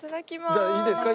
じゃあいいですか？